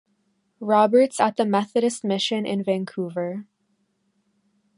Roberts at the Methodist mission in Vancouver.